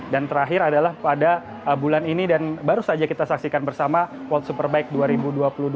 dan terakhir adalah pada bulan ini dan baru saja kita saksikan bersama world superbike dua ribu dua puluh dua